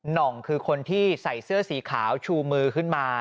่องคือคนที่ใส่เสื้อสีขาวชูมือขึ้นมา